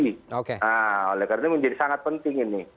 nah oleh karena ini menjadi sangat penting ini